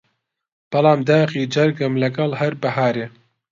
بەڵام داخی جەرگم لەگەڵ هەر بەهارێ